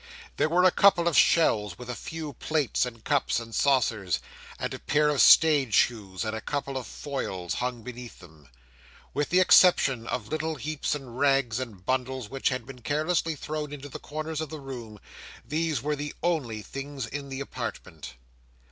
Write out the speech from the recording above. There were a couple of shelves, with a few plates and cups and saucers; and a pair of stage shoes and a couple of foils hung beneath them. With the exception of little heaps of rags and bundles which had been carelessly thrown into the corners of the room, these were the only things in the apartment.